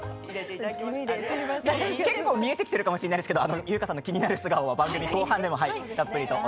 結構見えてきているかもしれませんが、優香さんの気になる素顔は番組後半でも迫ります。